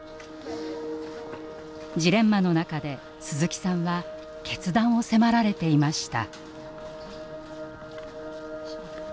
ジレンマの中で鈴木さんは決断を迫られていました。